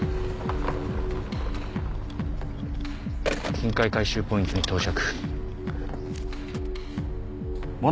金塊回収ポイントに到着。